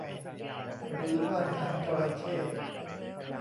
หรือว่านหางจระเข้